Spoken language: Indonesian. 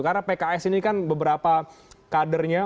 karena pks ini kan beberapa kadernya